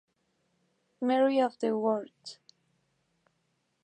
Mary of the Woods.